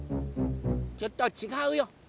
ちょっとちがうよ。